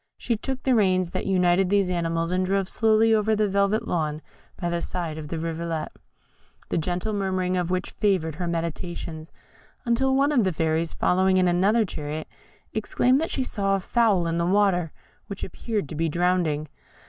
She took the reins that united these animals and drove slowly over the velvet lawn by the side of the rivulet, the gentle murmuring of which favoured her meditations, until one of the fairies, following in another chariot, exclaimed that she saw a fowl in the water, which appeared to be drowning.